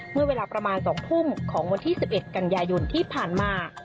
เมื่อเวลาประมาณ๒ทุ่มของวันที่๑๑กันยายนที่ผ่านมา